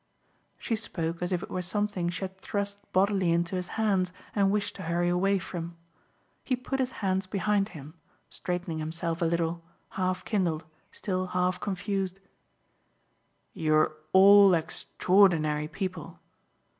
She spoke as if it were something she had thrust bodily into his hands and wished to hurry away from. He put his hands behind him straightening himself a little, half kindled, still half confused. "You're all extraordinary people!"